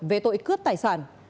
về tội cướp tài sản